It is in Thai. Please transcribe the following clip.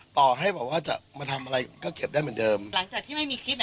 ต่อให้บอกว่าจะมาทำอะไรก็เก็บได้เหมือนเดิมหลังจากที่ไม่มีคลิปอ่ะ